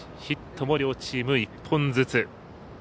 ヒットも両チーム１本ずつ。